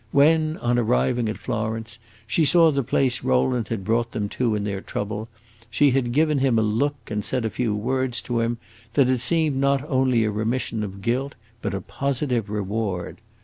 When, on arriving at Florence, she saw the place Rowland had brought them to in their trouble, she had given him a look and said a few words to him that had seemed not only a remission of guilt but a positive reward.